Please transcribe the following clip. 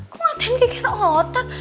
kok ngapain geger otak